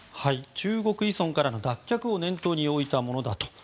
中国依存からの脱却を念頭に置いたものです。